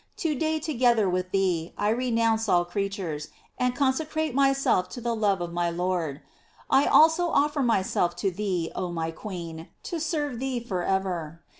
To day together with thee, I renounce all creatures, and consecrate myself to the love of my Lord. I also offer myself to thee, oh my queen, to serve thee forever.